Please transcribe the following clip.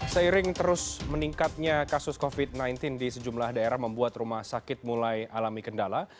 seiring terus meningkatnya kasus covid sembilan belas di sejumlah daerah membuat rumah sakit mulai alami kendala